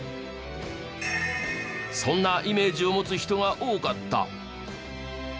そんなイメージを持つ人が多かった。